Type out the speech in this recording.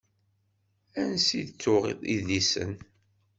Ansi d-tuɣ idlisen?